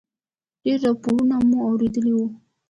ډېر راپورونه مو اورېدلي و.